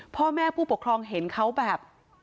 พ่อแม่ผู้ปกครองเห็นเขาแบบ